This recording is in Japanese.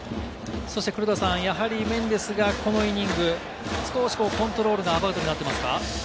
黒田さん、メンデスがこのイニング、少しコントロールがアバウトになっていますか？